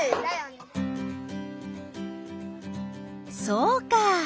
そうか！